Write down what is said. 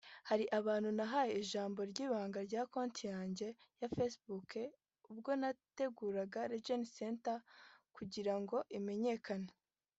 Hari abantu nahaye ijambo ry’ibanga rya konti yanjye ya Facebook ubwo nateguraga Legend concert kugira ngo imenyekane